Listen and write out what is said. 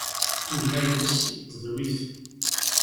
Tugna-ines tedwi-t.